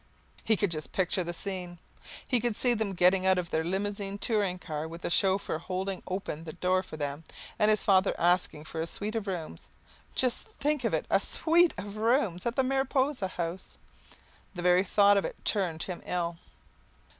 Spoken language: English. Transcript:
He could just picture the scene! He could see them getting out of their Limousine touring car, with the chauffeur holding open the door for them, and his father asking for a suite of rooms, just think of it, a suite of rooms! at the Mariposa House. The very thought of it turned him ill.